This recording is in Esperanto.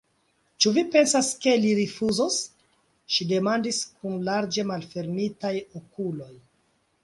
Ĉu vi pensas, ke li rifuzos? ŝi demandis kun larĝe malfermitaj okuloj.